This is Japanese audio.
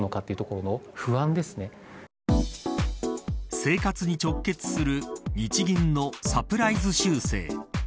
生活に直結する日銀のサプライズ修正。